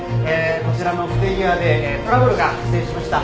こちらの不手際でトラブルが発生しました。